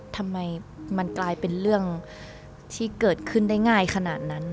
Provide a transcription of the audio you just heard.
ทำไมมันกลายเป็นเรื่องที่เกิดขึ้นได้ง่ายขนาดนั้น